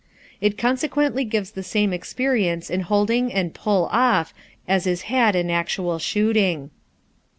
It consequently gives the same experience in holding and "pull off" as is had in actual shooting.